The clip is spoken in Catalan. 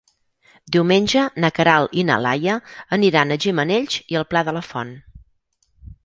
Diumenge na Queralt i na Laia aniran a Gimenells i el Pla de la Font.